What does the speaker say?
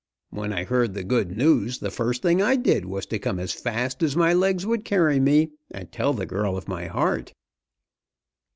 When I heard the good news the first thing I did was to come as fast as my legs would carry me, and tell the girl of my heart."